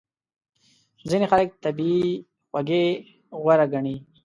ځینې خلک طبیعي خوږې غوره ګڼي.